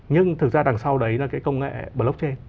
nhưng thực ra đằng sau đấy là cái công nghệ blockchain